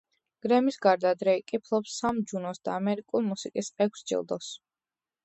გრემის გარდა დრეიკი ფლობს სამ ჯუნოს და ამერიკული მუსიკის ექვს ჯილდოს.